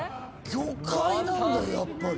魚介なんだやっぱり。